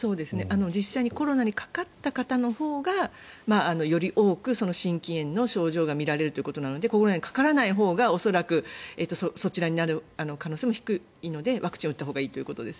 やはりコロナにかかった方のほうがより多く心筋炎の症状が見られることなので、コロナにコロナにかからないほうが恐らくそちらになる可能性も低いのでワクチンを打ったほうがいいと。